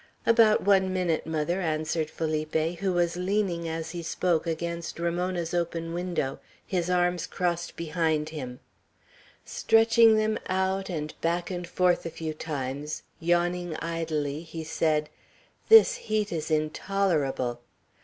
"About one minute, mother," answered Felipe, who was leaning, as he spoke, against Ramona's open window, his arms crossed behind him. Stretching them out, and back and forth a few times, yawning idly, he said, "This heat is intolerable!"